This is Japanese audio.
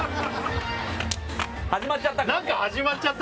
始まっちゃった。